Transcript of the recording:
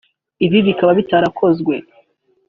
ibi bikaba bitarakozwe